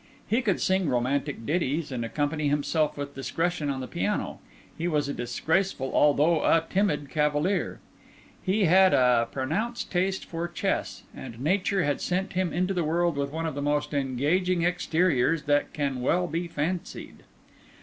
He could sing romantic ditties, and accompany himself with discretion on the piano; he was a graceful although a timid cavalier; he had a pronounced taste for chess; and nature had sent him into the world with one of the most engaging exteriors that can well be fancied.